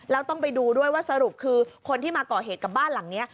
แล้วต้องไปดูด้วยว่าสรุปคือคนที่มาก่อเหตุกับบ้านหลังนี้